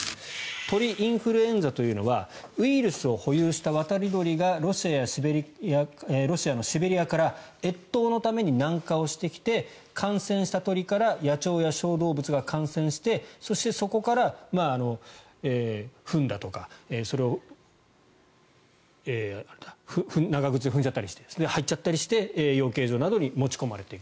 鳥インフルエンザというのはウイルスを保有した渡り鳥がロシアのシベリアから越冬のために南下してきて感染した鳥から野鳥や小動物が感染してそして、そこからフンだとかそれを長靴で踏んじゃったりして入ったりして養鶏場などに持ち込まれていく。